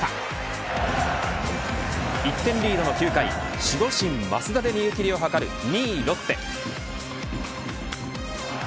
１点リードの９回守護神、益田で逃げ切りを図る２位ロッテ。